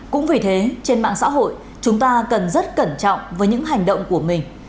cũng vì thế trên mạng xã hội chúng ta cần rất cẩn trọng với những hành động của mình